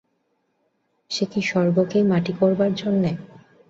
সে কি স্বর্গকেই মাটি করবার জন্যে?